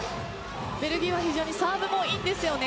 ベルギーは非常にサーブもいいんですよね。